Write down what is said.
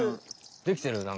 できてる？